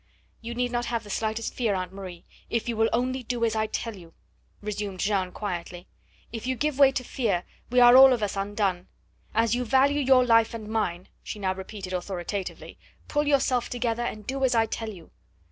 "You need not have the slightest fear, Aunt Marie, if you will only do as I tell you," resumed Jeanne quietly; "if you give way to fear, we are all of us undone. As you value your life and mine," she now repeated authoritatively, "pull yourself together, and do as I tell you."